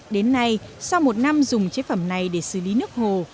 đến nay sau một năm dùng chế phẩm này để xử lý nước hồ